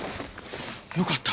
よかった。